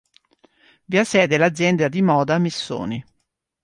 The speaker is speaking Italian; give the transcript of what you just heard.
Vi ha sede l'azienda di moda Missoni.